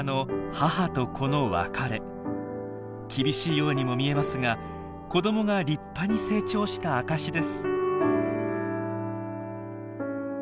厳しいようにも見えますが子どもが立派に成長した証しです。